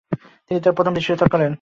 তিনি তার প্রথম দ্বি-শতক করেন।